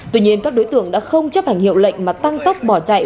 tuy nhiên các đối tượng đã không chấp hành hiệu lệnh mà tăng tốc bỏ chạy